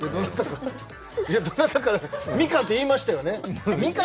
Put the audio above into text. みかんって言いましたよね。